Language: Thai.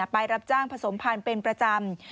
ไปรับจ้างผสมพันธุ์เป็นประจำ